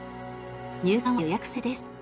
入館は予約制です。